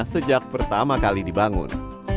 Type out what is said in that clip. sejak pertama kali dibangun